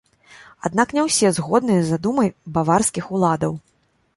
Аднак не ўсе згодныя з задумай баварскіх уладаў.